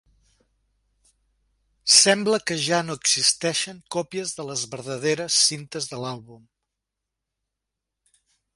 Sembla que ja no existeixen còpies de les verdaderes cintes de l'àlbum.